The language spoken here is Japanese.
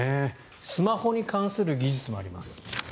スマホに関する技術もあります。